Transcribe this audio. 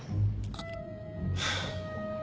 あっ。